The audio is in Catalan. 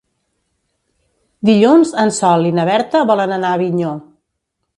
Dilluns en Sol i na Berta volen anar a Avinyó.